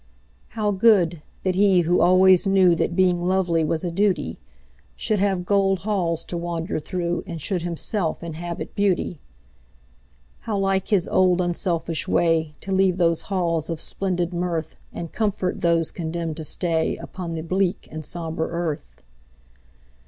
How good, that he who always knewThat being lovely was a duty, Should have gold halls to wander throughAnd should himself inhabit beauty. How like his old unselfish wayTo leave those halls of splendid mirthAnd comfort those condemned to stayUpon the bleak and sombre earth.